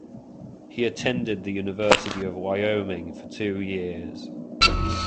He attended the University of Wyoming for two years.